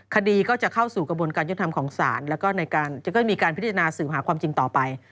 คดีก็จะเข้าสู่กระบวนการยุทธธรรมของศาลแล้วก็ในการจะค่อยมีการพิจารณาสืบหาความจริงต่อไป